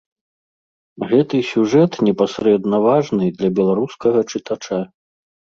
Гэты сюжэт непасрэдна важны для беларускага чытача.